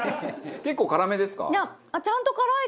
結構辛めですか？